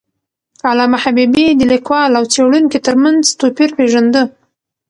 علامه حبيبي د لیکوال او څیړونکي تر منځ توپیر پېژنده.